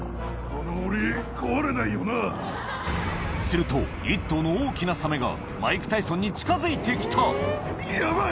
すると１頭の大きなサメがマイク・タイソンに近づいて来たヤバイ！